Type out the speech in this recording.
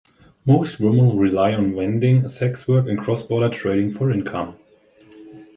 Most women rely on vending, sex work and cross-border trading for income.